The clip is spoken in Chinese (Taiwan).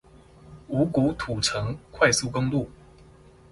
五股土城快速公路